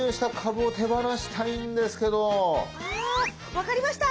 分かりました。